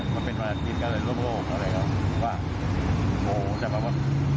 เขาคงมองไม่เห็น